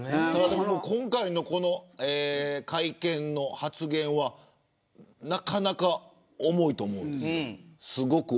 今回の会見の発言はなかなか重いと思うんです。